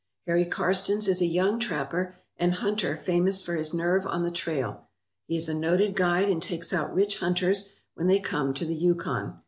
Harry Karstens is a young trapper and hunter famous for his nerve on the trail. He is a noted guide and takes out rich hunters when they come to the Yukon.